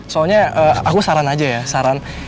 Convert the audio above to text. soalnya aku saran aja ya saran